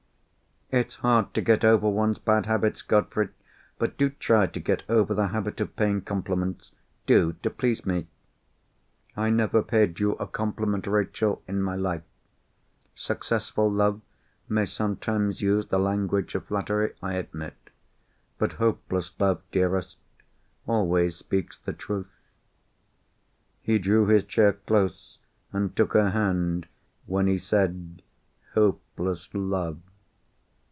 "It's hard to get over one's bad habits, Godfrey. But do try to get over the habit of paying compliments—do, to please me." "I never paid you a compliment, Rachel, in my life. Successful love may sometimes use the language of flattery, I admit. But hopeless love, dearest, always speaks the truth." He drew his chair close, and took her hand, when he said "hopeless love."